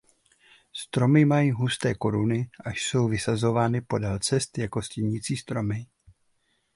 Stromy mají husté koruny a jsou vysazovány podél cest jako stínící stromy.